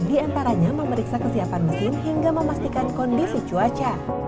diantaranya memeriksa kesiapan mesin hingga memastikan kondisi cuaca